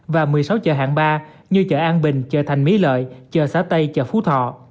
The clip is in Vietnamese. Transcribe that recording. và một mươi sáu chợ hạng ba như chợ an bình chợ thành mỹ lợi chợ xã tây chợ phú thọ